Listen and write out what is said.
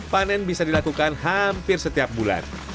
panen bisa dilakukan hampir setiap bulan